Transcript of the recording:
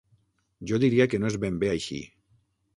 Jo diria que no és ben bé així.